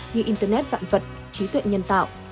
như internet vạn vật trí tuyện nhân tạo